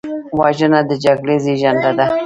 وژنه د جګړې زیږنده ده